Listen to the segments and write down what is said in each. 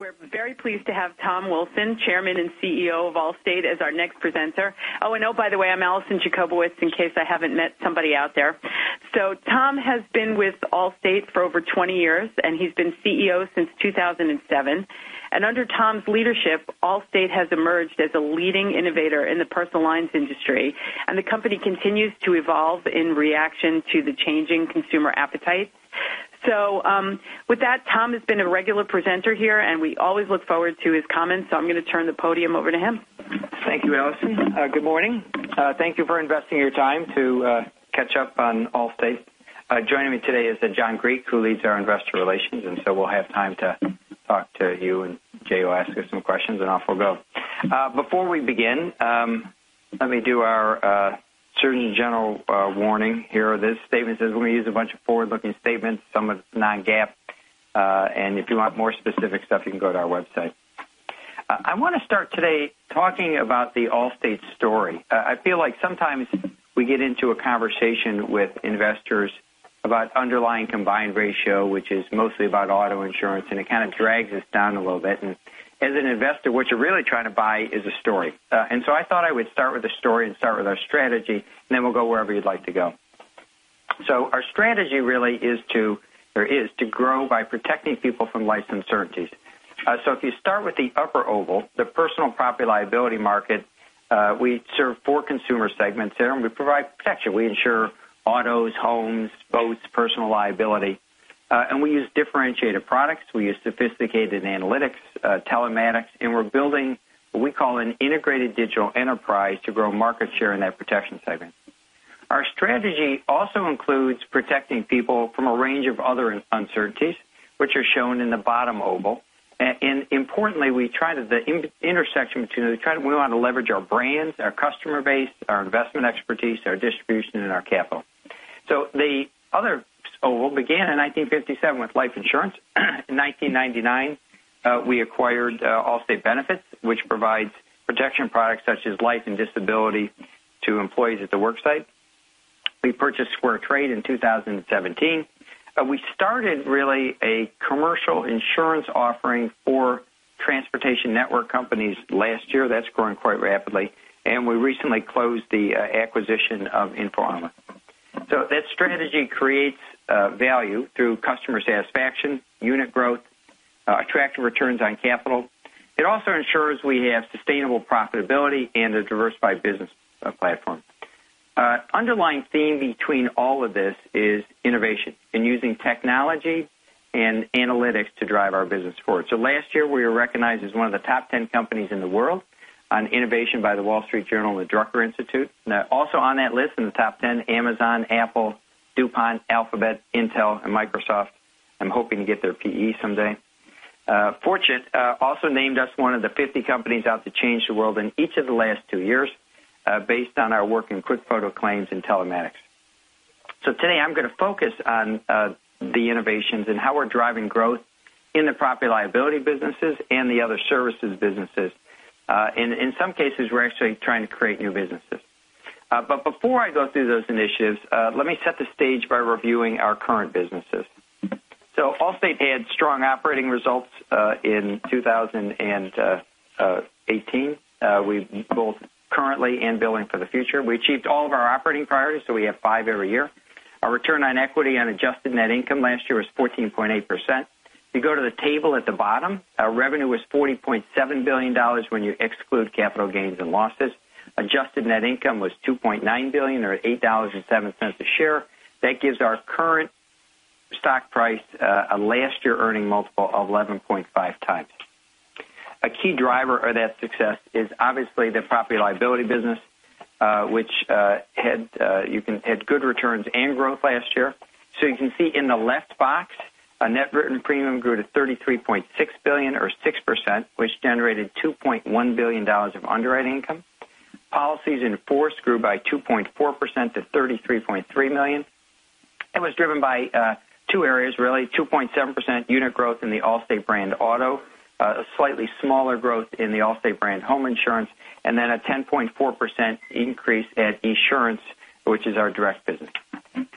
We're very pleased to have Tom Wilson, Chairman and CEO of Allstate, as our next presenter. By the way, I'm Alison Jacobowitz, in case I haven't met somebody out there. Tom has been with Allstate for over 20 years, and he's been CEO since 2007. Under Tom's leadership, Allstate has emerged as a leading innovator in the personal lines industry, and the company continues to evolve in reaction to the changing consumer appetite. With that, Tom has been a regular presenter here, and we always look forward to his comments, so I'm going to turn the podium over to him. Thank you, Alison. Good morning. Thank you for investing your time to catch up on Allstate. Joining me today is John Griek, who leads our investor relations. We'll have time to talk to you. Jay will ask you some questions, and off we'll go. Before we begin, let me do our surgeon general warning here. This statement says we're going to use a bunch of forward-looking statements. Some of it's non-GAAP. If you want more specific stuff, you can go to our website. I want to start today talking about the Allstate story. I feel like sometimes we get into a conversation with investors about underlying combined ratio, which is mostly about auto insurance, and it kind of drags us down a little bit. As an investor, what you're really trying to buy is a story. I thought I would start with a story and start with our strategy. We'll go wherever you'd like to go. Our strategy really is to grow by protecting people from life's uncertainties. If you start with the upper oval, the personal property liability market, we serve four consumer segments there, and we provide protection. We insure autos, homes, boats, personal liability. We use differentiated products, we use sophisticated analytics, telematics, and we're building what we call an integrated digital enterprise to grow market share in that protection segment. Our strategy also includes protecting people from a range of other uncertainties, which are shown in the bottom oval. Importantly, the intersection between the two, we want to leverage our brands, our customer base, our investment expertise, our distribution, and our capital. The other oval began in 1957 with life insurance. In 1999, we acquired Allstate Benefits, which provides protection products such as life and disability to employees at the worksite. We purchased SquareTrade in 2017. We started really a commercial insurance offering for transportation network companies last year. That's growing quite rapidly. We recently closed the acquisition of InfoArmor. That strategy creates value through customer satisfaction, unit growth, attractive returns on capital. It also ensures we have sustainable profitability and a diversified business platform. Underlying theme between all of this is innovation and using technology and analytics to drive our business forward. Last year, we were recognized as one of the top 10 companies in the world on innovation by The Wall Street Journal and the Drucker Institute. Also on that list in the top 10, Amazon, Apple, DuPont, Alphabet, Intel, and Microsoft. I'm hoping to get their PE someday. Fortune also named us one of the 50 companies out to change the world in each of the last two years based on our work in QuickFoto Claim and telematics. Today, I'm going to focus on the innovations and how we're driving growth in the property liability businesses and the other services businesses. In some cases, we're actually trying to create new businesses. Before I go through those initiatives, let me set the stage by reviewing our current businesses. Allstate had strong operating results in 2018. We both currently and building for the future. We achieved all of our operating priorities, we have five every year. Our return on equity on adjusted net income last year was 14.8%. If you go to the table at the bottom, our revenue was $40.7 billion when you exclude capital gains and losses. Adjusted net income was $2.9 billion or $8.07 a share. That gives our current stock price a last year earning multiple of 11.5 times. A key driver of that success is obviously the property liability business, which had good returns and growth last year. You can see in the left box, a net written premium grew to $33.6 billion or 6%, which generated $2.1 billion of underwriting income. Policies in force grew by 2.4% to 33.3 million. It was driven by two areas, really, 2.7% unit growth in the Allstate brand auto, a slightly smaller growth in the Allstate brand home insurance, and then a 10.4% increase at Esurance, which is our direct business.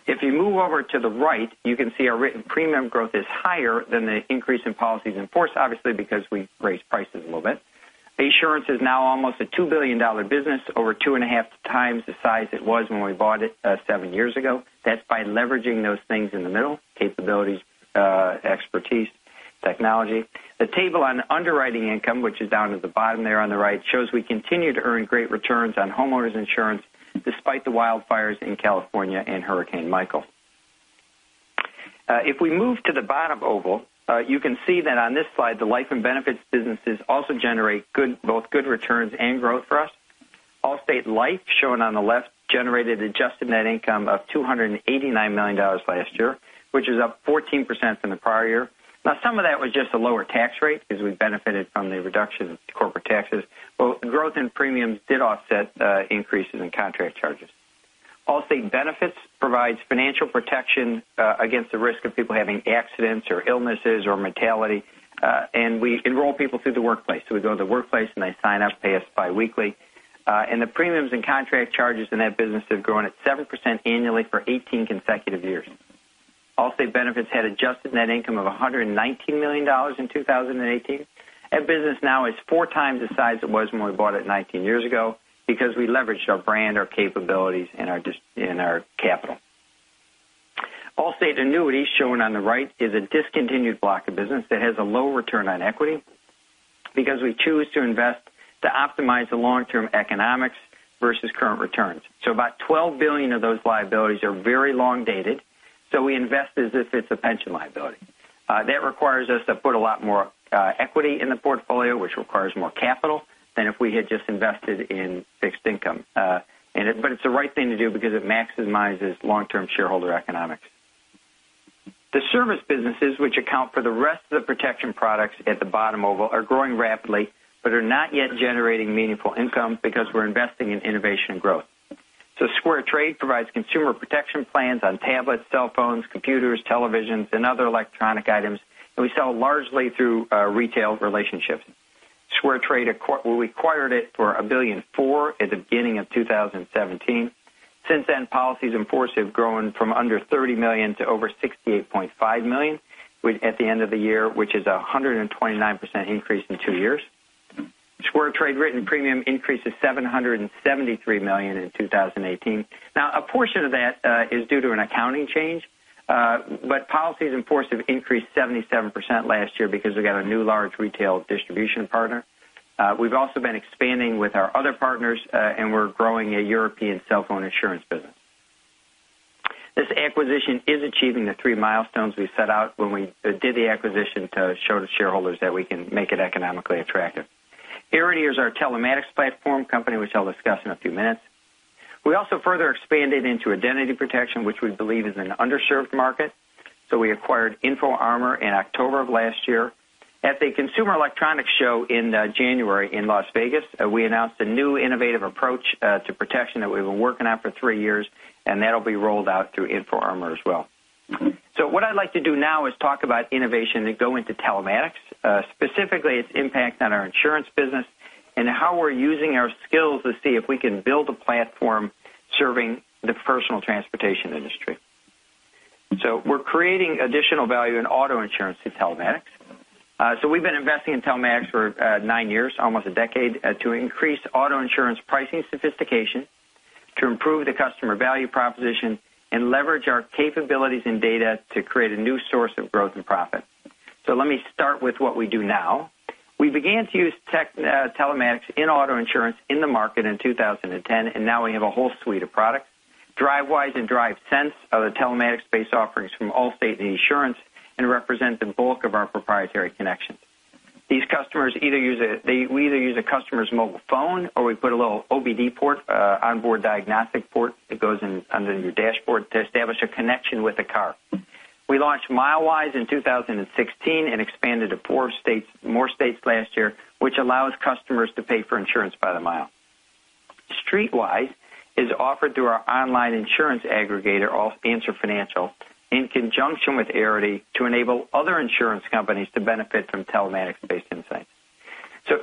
If you move over to the right, you can see our written premium growth is higher than the increase in policies in force, obviously, because we raised prices a little bit. Esurance is now almost a $2 billion business, over 2.5 times the size it was when we bought it seven years ago. That's by leveraging those things in the middle, capabilities, expertise, technology. The table on underwriting income, which is down at the bottom there on the right, shows we continue to earn great returns on homeowners insurance despite the wildfires in California and Hurricane Michael. If we move to the bottom oval, you can see that on this slide, the life and benefits businesses also generate both good returns and growth for us. Allstate Life, shown on the left, generated adjusted net income of $289 million last year, which is up 14% from the prior year. Some of that was just a lower tax rate because we benefited from the reduction of corporate taxes, growth in premiums did offset increases in contract charges. Allstate Benefits provides financial protection against the risk of people having accidents or illnesses or mortality, we enroll people through the workplace. We go to the workplace, they sign up, pay us biweekly. The premiums and contract charges in that business have grown at 7% annually for 18 consecutive years. Allstate Benefits had adjusted net income of $119 million in 2018. That business now is 4 times the size it was when we bought it 19 years ago because we leveraged our brand, our capabilities, and our capital. Allstate Annuities, shown on the right, is a discontinued block of business that has a low return on equity because we choose to invest to optimize the long-term economics versus current returns. About $12 billion of those liabilities are very long-dated, so we invest as if it's a pension liability. That requires us to put a lot more equity in the portfolio, which requires more capital than if we had just invested in fixed income. But it's the right thing to do because it maximizes long-term shareholder economics. The service businesses, which account for the rest of the protection products at the bottom oval, are growing rapidly but are not yet generating meaningful income because we're investing in innovation and growth. SquareTrade provides consumer protection plans on tablets, cell phones, computers, televisions, and other electronic items, and we sell largely through retail relationships. SquareTrade, we acquired it for $1.4 billion at the beginning of 2017. Since then, policies in force have grown from under 30 million to over 68.5 million at the end of the year, which is 129% increase in two years. SquareTrade written premium increased to $773 million in 2018. A portion of that is due to an accounting change, but policies in force have increased 77% last year because we got a new large retail distribution partner. We've also been expanding with our other partners, and we're growing a European cell phone insurance business. This acquisition is achieving the three milestones we set out when we did the acquisition to show the shareholders that we can make it economically attractive. Arity is our telematics platform company, which I'll discuss in a few minutes. We also further expanded into identity protection, which we believe is an underserved market, so we acquired InfoArmor in October of last year. At the Consumer Electronics Show in January in Las Vegas, we announced a new innovative approach to protection that we've been working on for three years, and that'll be rolled out through InfoArmor as well. What I'd like to do now is talk about innovation and go into telematics, specifically its impact on our insurance business and how we're using our skills to see if we can build a platform serving the personal transportation industry. We're creating additional value in auto insurance through telematics. We've been investing in telematics for nine years, almost a decade, to increase auto insurance pricing sophistication, to improve the customer value proposition, and leverage our capabilities and data to create a new source of growth and profit. Let me start with what we do now. We began to use telematics in auto insurance in the market in 2010, and now we have a whole suite of products. Drivewise and DriveSense are the telematics-based offerings from Allstate and Esurance and represent the bulk of our proprietary connections. We either use a customer's mobile phone or we put a little OBD port, onboard diagnostic port, that goes in under your dashboard to establish a connection with the car. We launched Milewise in 2016 and expanded to more states last year, which allows customers to pay for insurance by the mile. Streetwise is offered through our online insurance aggregator, Answer Financial, in conjunction with Arity to enable other insurance companies to benefit from telematics-based insight.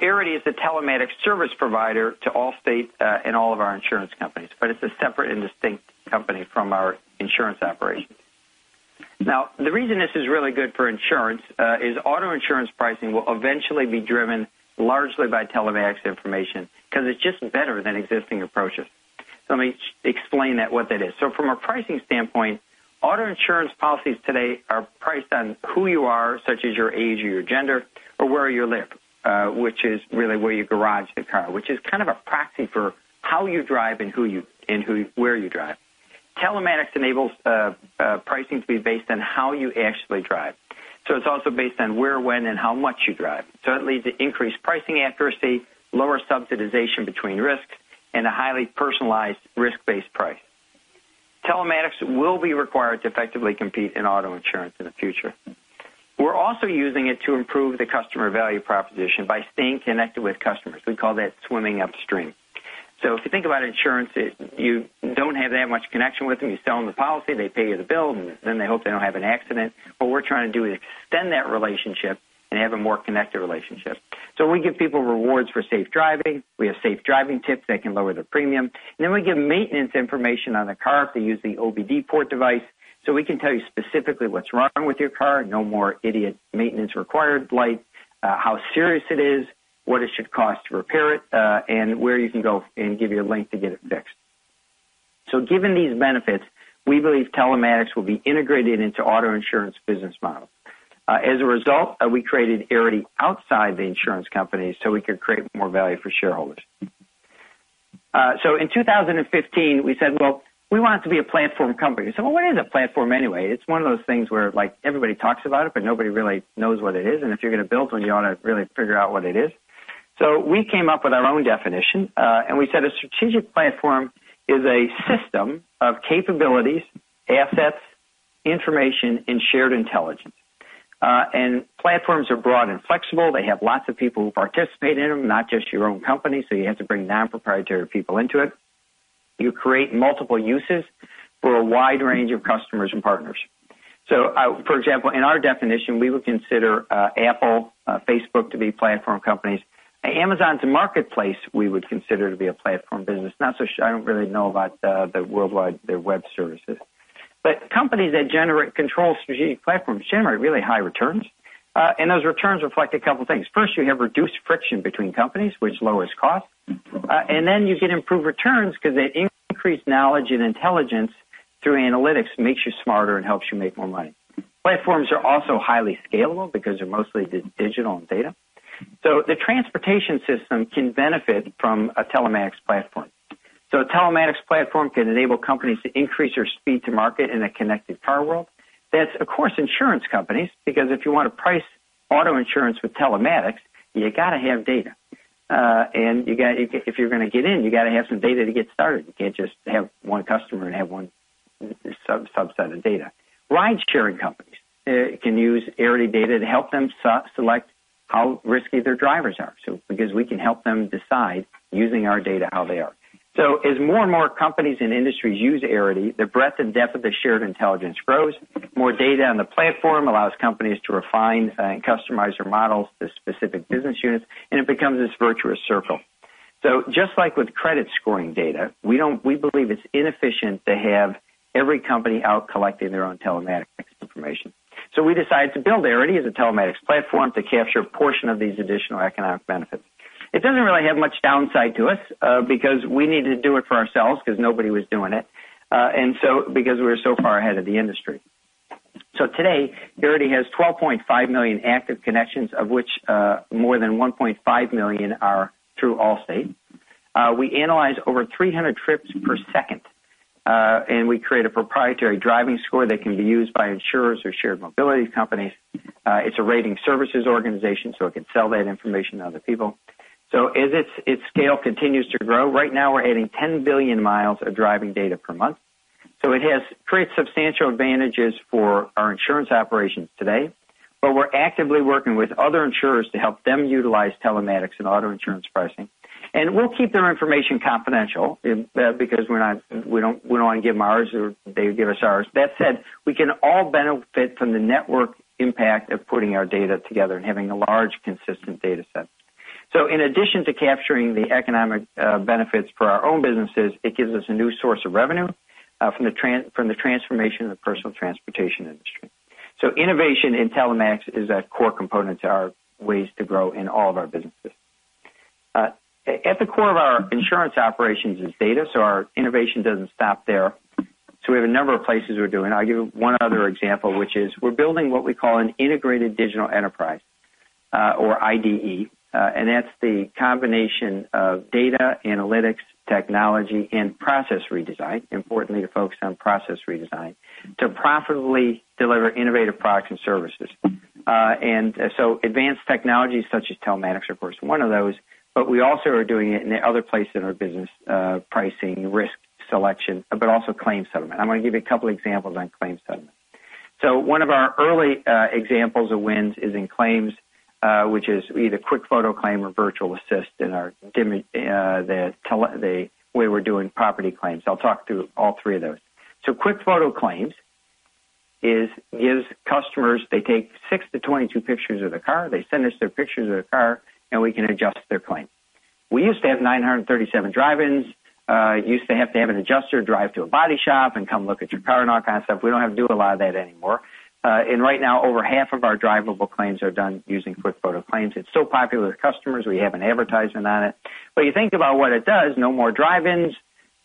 Arity is the telematics service provider to Allstate and all of our insurance companies, but it's a separate and distinct company from our insurance operations. The reason this is really good for insurance is auto insurance pricing will eventually be driven largely by telematics information because it's just better than existing approaches. Let me explain what that is. From a pricing standpoint, auto insurance policies today are priced on who you are, such as your age or your gender, or where you live which is really where you garage the car, which is kind of a proxy for how you drive and where you drive. Telematics enables pricing to be based on how you actually drive. It's also based on where, when, and how much you drive. It leads to increased pricing accuracy, lower subsidization between risks, and a highly personalized risk-based price. Telematics will be required to effectively compete in auto insurance in the future. We're also using it to improve the customer value proposition by staying connected with customers. We call that swimming upstream. If you think about insurance, you don't have that much connection with them. You sell them the policy, they pay you the bill, and then they hope they don't have an accident. What we're trying to do is extend that relationship and have a more connected relationship. We give people rewards for safe driving. We have safe driving tips that can lower their premium, and then we give maintenance information on the car if they use the OBD port device. We can tell you specifically what's wrong with your car, no more idiot maintenance required lights, how serious it is, what it should cost to repair it, and where you can go and give you a link to get it fixed. Given these benefits, we believe telematics will be integrated into auto insurance business models. As a result, we created Arity outside the insurance company so we could create more value for shareholders. In 2015, we said, "Well, we want it to be a platform company." What is a platform anyway? It's one of those things where everybody talks about it, but nobody really knows what it is, and if you're going to build one, you ought to really figure out what it is. We came up with our own definition, and we said a strategic platform is a system of capabilities, assets, information, and shared intelligence. Platforms are broad and flexible. They have lots of people who participate in them, not just your own company, so you have to bring non-proprietary people into it. You create multiple uses for a wide range of customers and partners. For example, in our definition, we would consider Apple, Facebook to be platform companies. Amazon's Marketplace we would consider to be a platform business. I don't really know about their web services. Companies that generate control strategic platforms generate really high returns. Those returns reflect a couple of things. First, you have reduced friction between companies, which lowers cost. Then you get improved returns because the increased knowledge and intelligence through analytics makes you smarter and helps you make more money. Platforms are also highly scalable because they're mostly digital and data. The transportation system can benefit from a telematics platform. A telematics platform can enable companies to increase their speed to market in a connected car world. That's, of course, insurance companies, because if you want to price auto insurance with telematics, you got to have data. If you're going to get in, you got to have some data to get started. You can't just have one customer and have one subset of data. Ridesharing companies can use Arity data to help them select how risky their drivers are, because we can help them decide using our data how they are. As more and more companies and industries use Arity, the breadth and depth of the shared intelligence grows. More data on the platform allows companies to refine and customize their models to specific business units, and it becomes this virtuous circle. Just like with credit scoring data, we believe it's inefficient to have every company out collecting their own telematics information. We decided to build Arity as a telematics platform to capture a portion of these additional economic benefits. It doesn't really have much downside to us, because we need to do it for ourselves because nobody was doing it, and because we were so far ahead of the industry. Today, Arity has 12.5 million active connections, of which more than 1.5 million are through Allstate. We analyze over 300 trips per second, and we create a proprietary driving score that can be used by insurers or shared mobility companies. It's a rating services organization, so it can sell that information to other people. As its scale continues to grow, right now we're adding 10 billion miles of driving data per month. It has created substantial advantages for our insurance operations today. We're actively working with other insurers to help them utilize telematics and auto insurance pricing. We'll keep their information confidential because we don't want to give them ours or they give us ours. That said, we can all benefit from the network impact of putting our data together and having a large, consistent data set. In addition to capturing the economic benefits for our own businesses, it gives us a new source of revenue from the transformation of the personal transportation industry. Innovation in telematics is a core component to our ways to grow in all of our businesses. At the core of our insurance operations is data, so our innovation doesn't stop there. We have a number of places we're doing. I'll give one other example, which is we're building what we call an integrated digital enterprise or IDE, and that's the combination of data analytics, technology, and process redesign, importantly to focus on process redesign, to profitably deliver innovative products and services. Advanced technologies such as telematics, of course, one of those, but we also are doing it in other places in our business, pricing, risk selection, but also claims settlement. I'm going to give you a couple examples on claims settlement. One of our early examples of wins is in claims, which is either QuickFoto Claim or Virtual Assist in the way we're doing property claims. I'll talk through all three of those. QuickFoto Claims is customers, they take six to 22 pictures of their car, they send us their pictures of their car, and we can adjust their claim. We used to have 937 drive-ins, used to have to have an adjuster drive to a body shop and come look at your car and all kind of stuff. We don't have to do a lot of that anymore. Right now, over half of our drivable claims are done using QuickFoto Claims. It's so popular with customers. We have an advertisement on it. You think about what it does, no more drive-ins,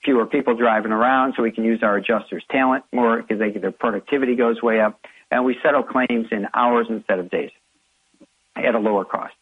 fewer people driving around, so we can use our adjusters' talent more because their productivity goes way up, and we settle claims in hours instead of days at a lower cost.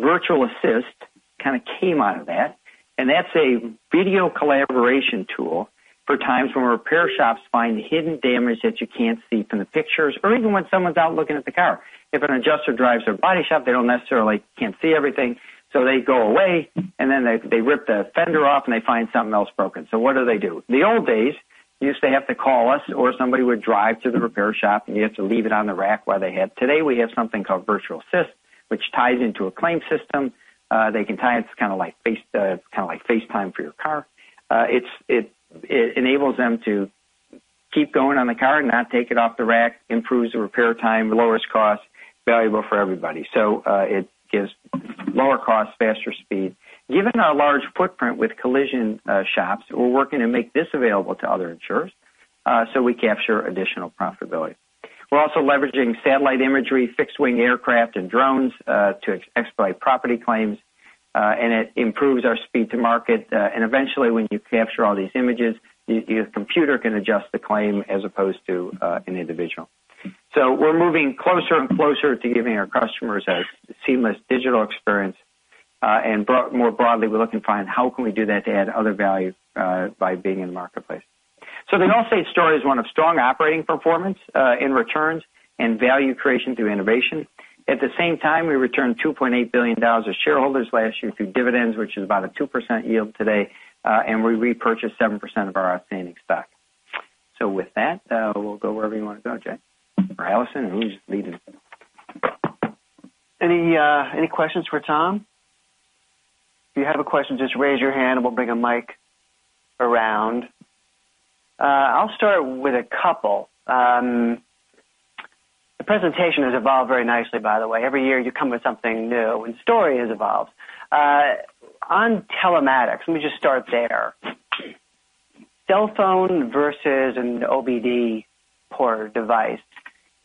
Virtual Assist kind of came out of that's a video collaboration tool for times when repair shops find hidden damage that you can't see from the pictures or even when someone's out looking at the car. If an adjuster drives their body shop, they don't necessarily can't see everything, so they go away, and then they rip the fender off, and they find something else broken. What do they do? The old days, you used to have to call us or somebody would drive to the repair shop, and you have to leave it on the rack while they had. Today, we have something called Virtual Assist, which ties into a claim system. They can tie it to kind of like FaceTime for your car. It enables them to keep going on the car, not take it off the rack, improves the repair time, lowers cost, valuable for everybody. It gives lower cost, faster speed. Given our large footprint with collision shops, we're working to make this available to other insurers, we capture additional profitability. We're also leveraging satellite imagery, fixed-wing aircraft, and drones to expedite property claims, it improves our speed to market. Eventually, when you capture all these images, your computer can adjust the claim as opposed to an individual. We're moving closer and closer to giving our customers a seamless digital experience. More broadly, we're looking to find how can we do that to add other value by being in the marketplace. The Allstate story is one of strong operating performance in returns and value creation through innovation. At the same time, we returned $2.8 billion to shareholders last year through dividends, which is about a 2% yield today, and we repurchased 7% of our outstanding stock. With that, we'll go wherever you want to go, Jay or Alison, who's leading. Any questions for Tom? If you have a question, just raise your hand, and we'll bring a mic around. I'll start with a couple. The presentation has evolved very nicely, by the way. Every year you come with something new, and story has evolved. On telematics, let me just start there. Cell phone versus an OBD port device.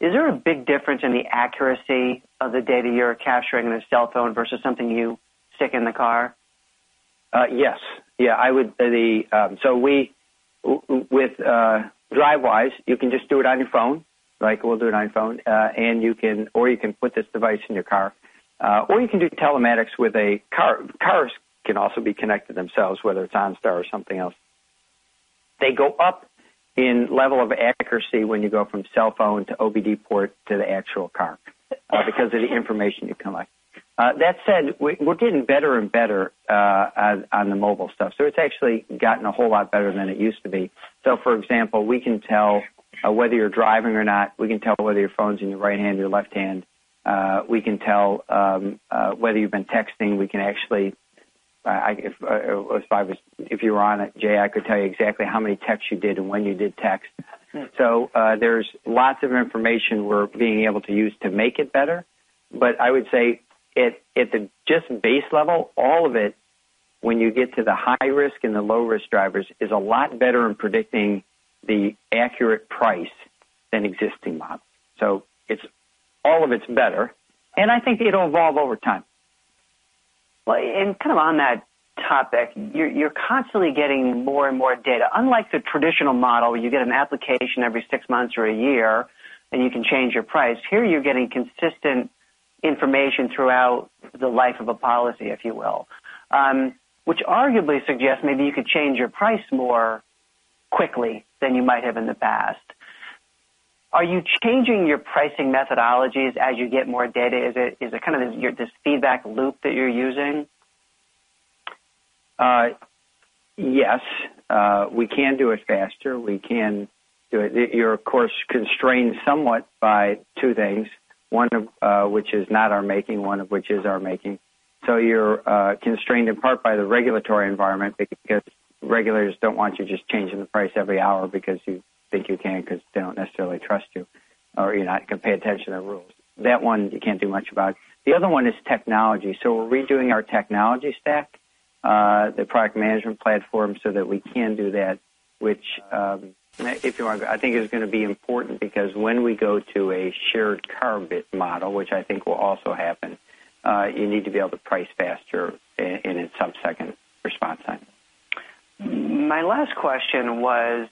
Is there a big difference in the accuracy of the data you're capturing in a cell phone versus something you stick in the car? Yes. With Drivewise, you can just do it on your phone. Like we'll do it on your phone, or you can put this device in your car. You can do telematics with a car. Cars can also be connected themselves, whether it's OnStar or something else. They go up in level of accuracy when you go from cell phone to OBD port to the actual car because of the information you collect. That said, we're getting better and better on the mobile stuff. It's actually gotten a whole lot better than it used to be. For example, we can tell whether you're driving or not. We can tell whether your phone's in your right hand or your left hand. We can tell whether you've been texting. If you were on it, Jay, I could tell you exactly how many texts you did and when you did text. There's lots of information we're being able to use to make it better. I would say at the just base level, all of it, when you get to the high risk and the low risk drivers, is a lot better in predicting the accurate price than existing models. All of it's better, and I think it'll evolve over time. Well, kind of on that topic, you're constantly getting more and more data. Unlike the traditional model, you get an application every six months or a year, and you can change your price. Here, you're getting consistent information throughout the life of a policy, if you will, which arguably suggests maybe you could change your price more quickly than you might have in the past. Are you changing your pricing methodologies as you get more data? Is it kind of this feedback loop that you're using? Yes, we can do it faster. You're of course, constrained somewhat by two things, one of which is not our making, one of which is our making. You're constrained in part by the regulatory environment because regulators don't want you just changing the price every hour because you think you can, because they don't necessarily trust you or you're not going to pay attention to rules. That one you can't do much about. The other one is technology. We're redoing our technology stack, the product management platform, so that we can do that, which, if you want, I think is going to be important because when we go to a shared car bit model, which I think will also happen, you need to be able to price faster and in sub-second response time. My last question was,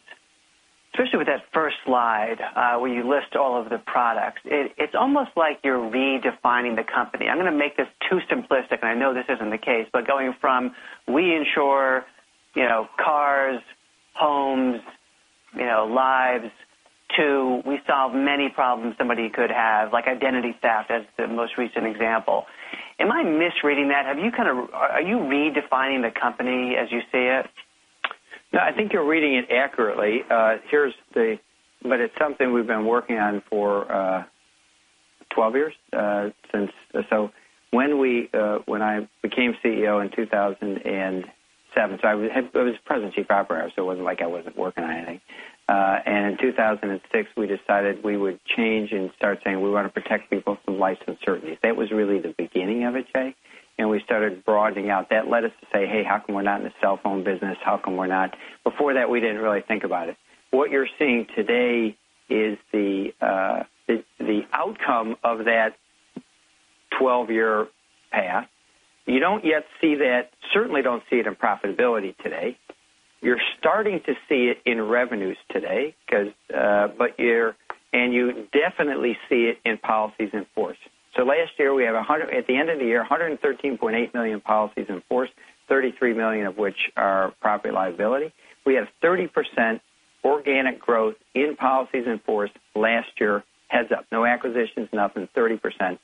especially with that first slide where you list all of the products, it's almost like you're redefining the company. I'm going to make this too simplistic, and I know this isn't the case, but going from we insure cars, homes, lives to we solve many problems somebody could have, like identity theft as the most recent example. Am I misreading that? Are you redefining the company as you see it? No, I think you're reading it accurately. It's something we've been working on for 12 years. When I became CEO in 2007, I was President Chief Operating Officer, it wasn't like I wasn't working on anything. In 2006, we decided we would change and start saying we want to protect people from life's uncertainties. That was really the beginning of it, Jay. We started broadening out. That led us to say, "Hey, how come we're not in the cell phone business? How come we're not" Before that, we didn't really think about it. What you're seeing today is the outcome of that 12-year path. You don't yet see that, certainly don't see it in profitability today. You're starting to see it in revenues today, and you definitely see it in policies in force. Last year, at the end of the year, 113.8 million policies in force, 33 million of which are property liability. We have 30% organic growth in policies in force last year, heads up, no acquisitions, nothing, 30%.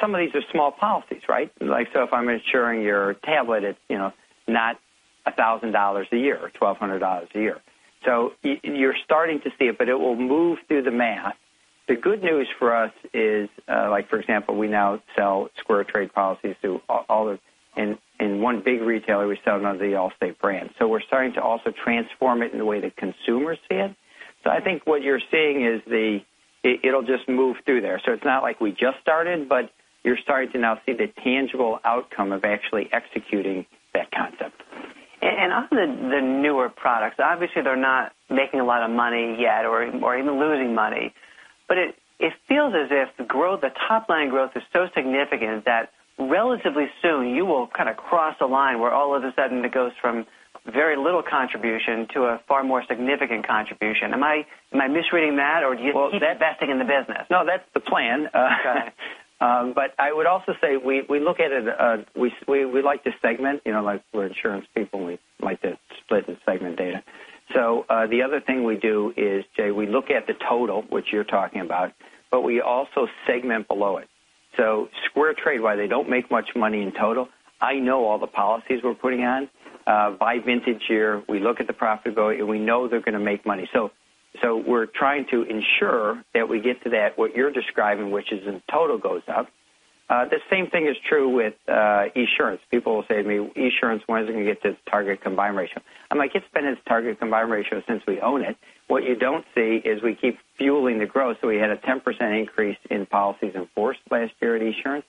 Some of these are small policies. If I'm insuring your tablet, it's not $1,000 a year or $1,200 a year. You're starting to see it, but it will move through the math. The good news for us is, for example, we now sell SquareTrade policies in one big retailer. We sell it under the Allstate brand. We're starting to also transform it in the way that consumers see it. I think what you're seeing is it'll just move through there. It's not like we just started, but you're starting to now see the tangible outcome of actually executing that concept. On the newer products, obviously they're not making a lot of money yet or even losing money. It feels as if the top-line growth is so significant that relatively soon you will kind of cross a line where all of a sudden it goes from very little contribution to a far more significant contribution. Am I misreading that, or do you keep investing in the business? No, that's the plan. Okay. I would also say we like to segment, like we're insurance people, and we like to split and segment data. The other thing we do is, Jay, we look at the total, which you're talking about, but we also segment below it. SquareTrade, while they don't make much money in total, I know all the policies we're putting on. By vintage year, we look at the profitability, and we know they're going to make money. We're trying to ensure that we get to that what you're describing, which is in total goes up. The same thing is true with Esurance. People will say to me, "Esurance, when is it going to get to target combined ratio?" I'm like, "It's been its target combined ratio since we own it." What you don't see is we keep fueling the growth. We had a 10% increase in policies in force last year at Esurance,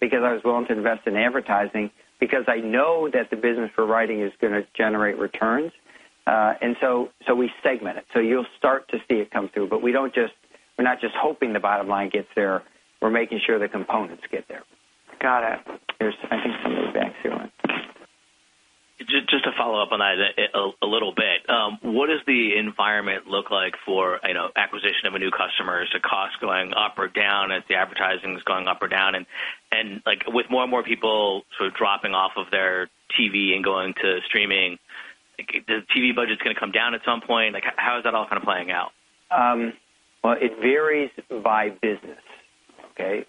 because I was willing to invest in advertising, because I know that the business for writing is going to generate returns. We segment it. You'll start to see it come through, but we're not just hoping the bottom line gets there. We're making sure the components get there. Got it. There's, I think, some in the back too. Just to follow up on that a little bit. What does the environment look like for acquisition of a new customer? Is the cost going up or down? Is the advertising going up or down? With more and more people sort of dropping off of their TV and going to streaming, the TV budget's going to come down at some point. How is that all kind of playing out? Well, it varies by business. Okay?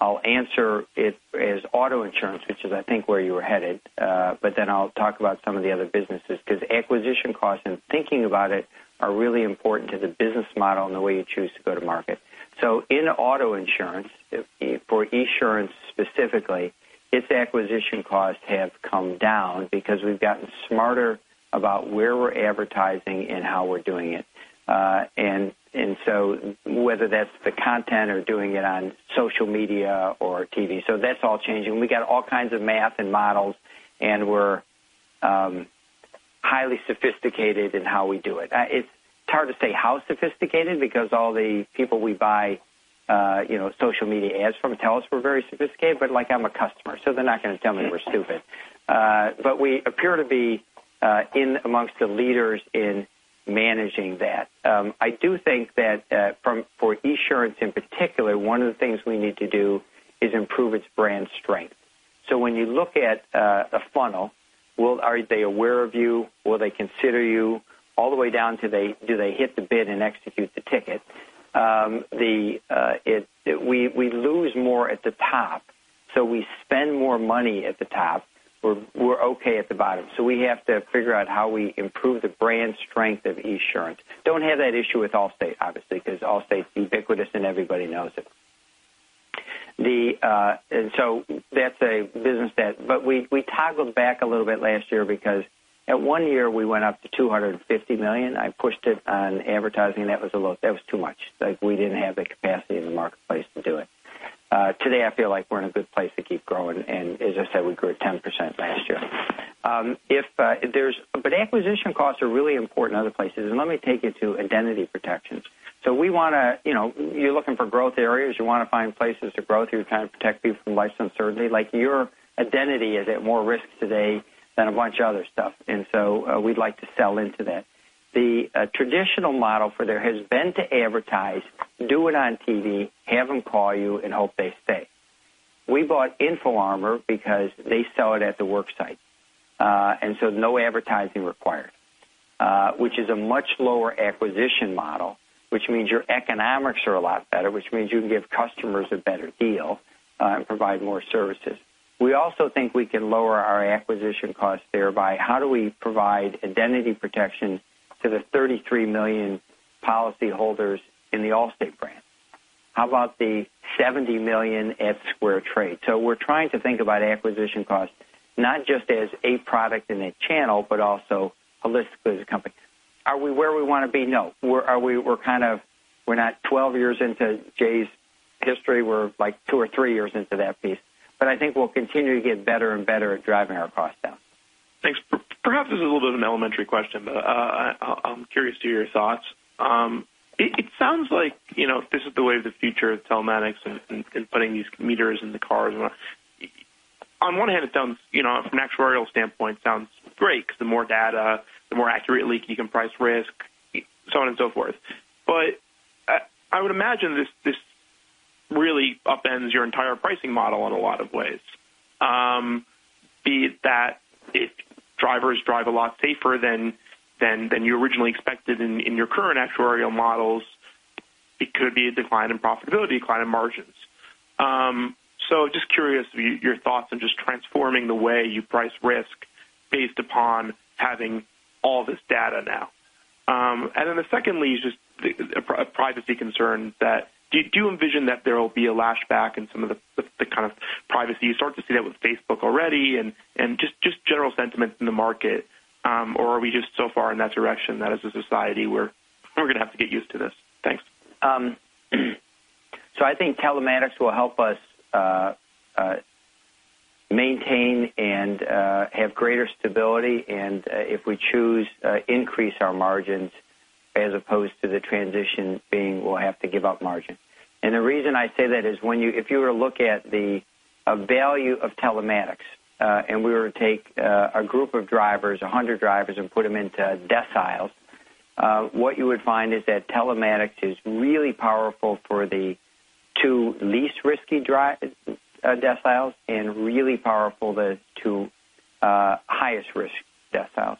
I'll answer it as auto insurance, which is, I think, where you were headed. I'll talk about some of the other businesses, because acquisition costs and thinking about it are really important to the business model and the way you choose to go to market. In auto insurance, for Esurance specifically, its acquisition costs have come down because we've gotten smarter about where we're advertising and how we're doing it. Whether that's the content or doing it on social media or TV, so that's all changing. We got all kinds of math and models, and we're highly sophisticated in how we do it. It's hard to say how sophisticated, because all the people we buy social media ads from tell us we're very sophisticated, but, like, I'm a customer, so they're not going to tell me we're stupid. We appear to be in amongst the leaders in managing that. I do think that for Esurance in particular, one of the things we need to do is improve its brand strength. When you look at a funnel, are they aware of you? Will they consider you? All the way down to do they hit the bid and execute the ticket? We lose more at the top, so we spend more money at the top. We're okay at the bottom. We have to figure out how we improve the brand strength of Esurance. Don't have that issue with Allstate, obviously, because Allstate's ubiquitous and everybody knows it. We toggled back a little bit last year because at one year, we went up to $250 million. I pushed it on advertising. That was too much. Like, we didn't have the capacity in the marketplace to do it. Today, I feel like we're in a good place to keep growing, and as I said, we grew at 10% last year. Acquisition costs are really important in other places, and let me take you to identity protections. You're looking for growth areas, you want to find places to grow through, kind of protect people from life's uncertainty. Like, your identity is at more risk today than a bunch of other stuff, we'd like to sell into that. The traditional model for there has been to advertise, do it on TV, have them call you and hope they stay. We bought InfoArmor because they sell it at the work site. No advertising required, which is a much lower acquisition model, which means your economics are a lot better, which means you can give customers a better deal, and provide more services. We also think we can lower our acquisition costs there by how do we provide identity protection to the 33 million policyholders in the Allstate brand? How about the 70 million SquareTrade? We're trying to think about acquisition costs, not just as a product and a channel, but also holistically as a company. Are we where we want to be? No. We're not 12 years into Jay's history. We're like two or three years into that piece. I think we'll continue to get better and better at driving our costs down. Thanks. Perhaps this is a little bit of an elementary question, but I'm curious to your thoughts. It sounds like this is the wave of the future of telematics and putting these meters in the cars and what not. On one hand, from an actuarial standpoint, it sounds great because the more data, the more accurately you can price risk, so on and so forth. I would imagine this really upends your entire pricing model in a lot of ways. Be it that if drivers drive a lot safer than you originally expected in your current actuarial models, it could be a decline in profitability, a decline in margins. Just curious your thoughts on just transforming the way you price risk based upon having all this data now. Secondly is just a privacy concern that do you envision that there will be a lash back in some of the kind of privacy? You start to see that with Facebook already and just general sentiments in the market. Are we just so far in that direction that as a society, we're going to have to get used to this? Thanks. I think telematics will help us maintain and have greater stability and, if we choose, increase our margins as opposed to the transition being we'll have to give up margin. The reason I say that is if you were to look at the value of telematics, and we were to take a group of drivers, 100 drivers, and put them into deciles, what you would find is that telematics is really powerful for the two least risky deciles and really powerful to highest risk deciles.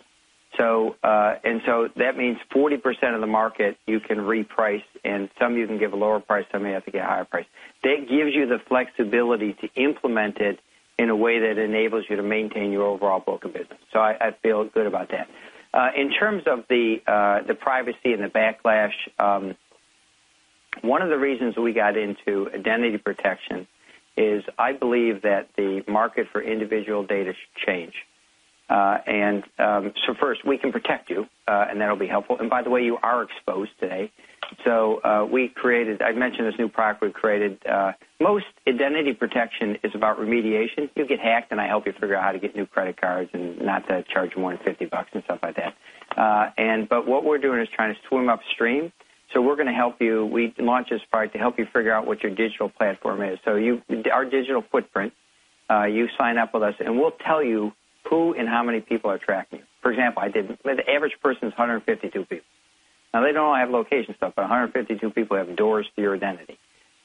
That means 40% of the market you can reprice, and some you can give a lower price, some you have to get a higher price. That gives you the flexibility to implement it in a way that enables you to maintain your overall book of business. I feel good about that. In terms of the privacy and the backlash, one of the reasons we got into identity protection is I believe that the market for individual data should change. First, we can protect you, and that'll be helpful. By the way, you are exposed today. I mentioned this new product we've created. Most identity protection is about remediation. You'll get hacked, and I help you figure out how to get new credit cards and not to charge more than $50 and stuff like that. What we're doing is trying to swim upstream. We're going to help you. We launched this product to help you figure out what your digital platform is. Our digital footprint, you sign up with us, and we'll tell you who and how many people are tracking you. For example, I did. The average person is 152 people. Now, they don't all have location stuff, but 152 people have doors to your identity.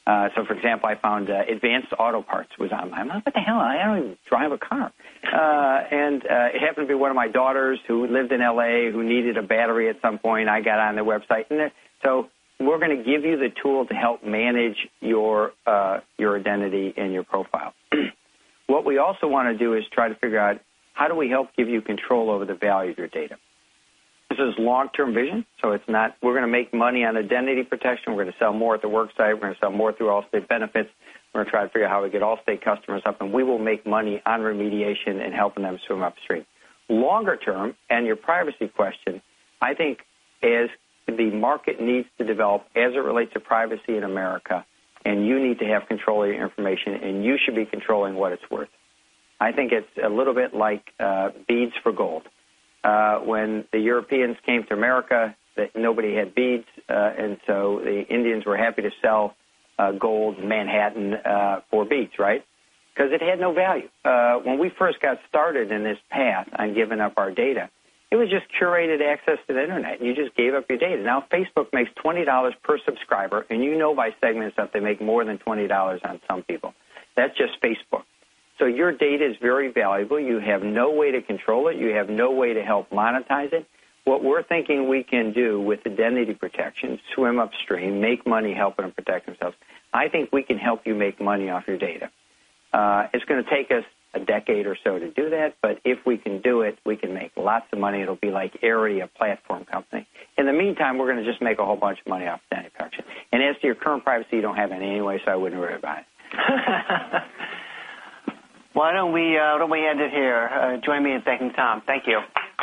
For example, I found Advance Auto Parts was on there. I'm like, "What the hell? I don't even drive a car." It happened to be one of my daughters who lived in L.A. who needed a battery at some point. I got on their website. We're going to give you the tool to help manage your identity and your profile. What we also want to do is try to figure out how do we help give you control over the value of your data? This is long-term vision. We're going to make money on identity protection. We're going to sell more at the worksite. We're going to sell more through Allstate Benefits. We're going to try to figure out how to get Allstate customers up, we will make money on remediation and helping them swim upstream. Longer term, your privacy question, I think as the market needs to develop as it relates to privacy in America, you need to have control of your information, you should be controlling what it's worth. I think it's a little bit like beads for gold. When the Europeans came to America, nobody had beads, so the Indians were happy to sell gold in Manhattan for beads, right? Because it had no value. When we first got started in this path on giving up our data, it was just curated access to the internet, you just gave up your data. Now Facebook makes $20 per subscriber, you know by segments that they make more than $20 on some people. That's just Facebook. Your data is very valuable. You have no way to control it. You have no way to help monetize it. What we're thinking we can do with identity protection, swim upstream, make money helping them protect themselves, I think we can help you make money off your data. It's going to take us a decade or so to do that, but if we can do it, we can make lots of money. It'll be like Arity, a platform company. In the meantime, we're going to just make a whole bunch of money off identity protection. As to your current privacy, you don't have any anyway, I wouldn't worry about it. Why don't we end it here? Join me in thanking Tom. Thank you.